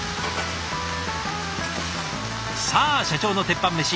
さあ社長の鉄板メシ